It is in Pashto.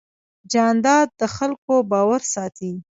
جانداد د خلکو باور ساتي.